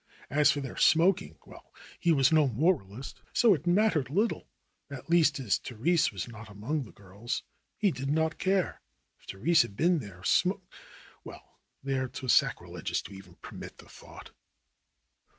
As for their smoking — well, he was no moralist, so it mattered little. At least as Therese was not among the girls, he did not care. If Therese had been there smok But there, Twas sacreligious to even permit the thought.